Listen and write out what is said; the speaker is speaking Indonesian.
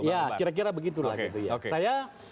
ya kira kira begitu lah gitu ya